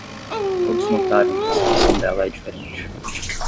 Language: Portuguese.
Todos notaram que a situação dela é diferente.